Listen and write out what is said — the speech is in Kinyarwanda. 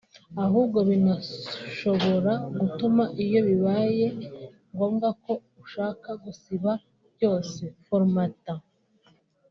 ahubwo binashobora gutuma iyo bibaye ngombwa ko ushaka gusiba byose “Format”